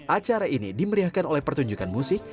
acara ini dimeriahkan oleh pertunjukan musik